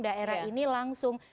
daerah ini langsung